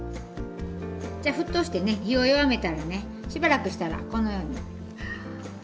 じゃ沸騰してね火を弱めたらねしばらくしたらこのように。